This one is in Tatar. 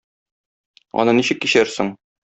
Аны ничек кичәрсең?